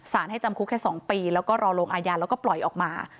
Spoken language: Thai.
ให้จำคุกแค่๒ปีแล้วก็รอลงอาญาแล้วก็ปล่อยออกมา